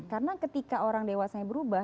karena ketika orang dewasa berubah